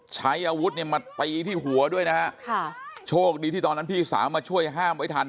ใช้อาวุธมาปีที่หัวด้วยโชคดีที่ตอนนั้นพี่สามาช่วยห้ามไว้ทัน